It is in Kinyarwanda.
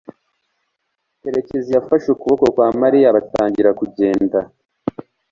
karekezi yafashe ukuboko kwa mariya batangira kugenda